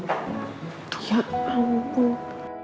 dan juga dari perusahaan yang terkenal